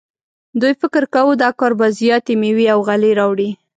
دوی فکر کاوه دا کار به زیاتې میوې او غلې راوړي.